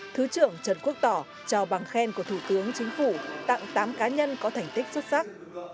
thứ trưởng trần quốc tỏ trao bằng khen của thủ tướng chính phủ tặng tám cá nhân có thành tích xuất sắc